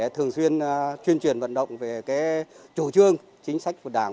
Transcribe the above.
thường xuyên chuyên vận động về chủ trương chính sách của đảng